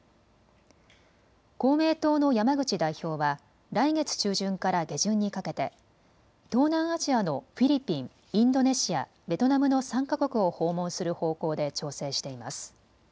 公明党の山口代表は来月中旬から下旬にかけて東南アジアのフィリピン、インドネシア、ベトナムの３か国を訪問する方向で調整しています。